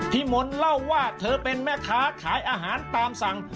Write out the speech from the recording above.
มนต์เล่าว่าเธอเป็นแม่ค้าขายอาหารตามสั่ง